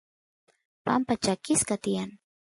pampa chakisqa tiyan